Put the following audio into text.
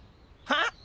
はっ？